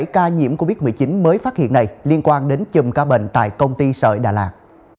bảy ca nhiễm covid một mươi chín mới phát hiện này liên quan đến chùm ca bệnh tại công ty sợi đà lạt